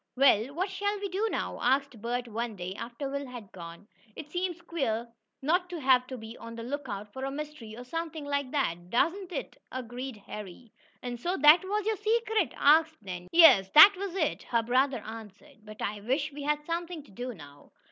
"Well, what shall we do now?" asked Bert one day, after Will had gone. "It seems queer not to have to be on the lookout for a mystery or something like that." "Doesn't it," agreed Harry. "And so that was your secret?" asked Nan. "Yes, that was it," her brother answered. "But I wish we had something to do now."